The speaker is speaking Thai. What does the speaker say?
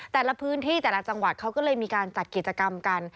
แต่ละพื้นที่แต่ละจังหวัดเขาก็เลยมีการจัดกิจกรรมกัน